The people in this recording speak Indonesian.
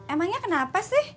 emangnya kenapa sih